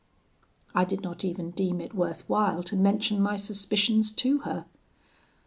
I did not even deem it worth while to mention my suspicions to her.